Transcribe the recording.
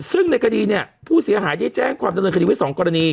ซึ่งในคดีเนี่ยผู้เสียหายได้แจ้งความดำเนินคดีไว้๒กรณี